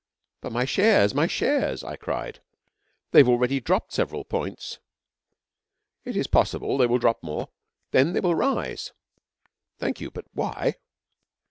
'But my shares my shares!' I cried. 'They have already dropped several points.' 'It is possible. They will drop more. Then they will rise.' 'Thank you. But why?'